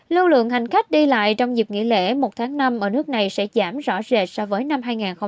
lưu lượng hành khách đi lại trong dịp nghỉ lễ một tháng năm ở nước này sẽ giảm rõ rệt so với năm hai nghìn hai mươi ba